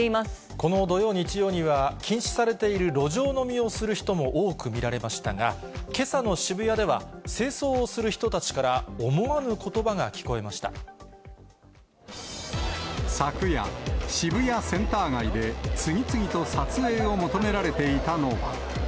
この土曜、日曜には禁止されている路上飲みをする人も多く見られましたが、けさの渋谷では、清掃をする人たちから思わぬことばが聞こえまし昨夜、渋谷センター街で次々と撮影を求められていたのは。